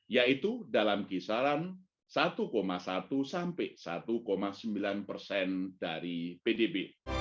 yaitu dalam kisaran satu satu sampai satu sembilan persen dari pdb